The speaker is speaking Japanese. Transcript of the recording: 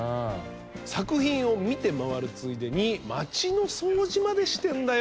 作品を見て回るついでに町の掃除までしてんだよ。